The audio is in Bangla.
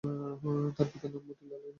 তার পিতার নাম মতিলাল বিশ্বাস।